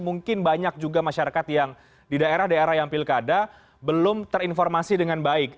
mungkin banyak juga masyarakat yang di daerah daerah yang pilkada belum terinformasi dengan baik